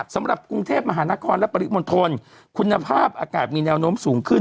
สำหรับกรุงเทพมหานครและปริมณฑลคุณภาพอากาศมีแนวโน้มสูงขึ้น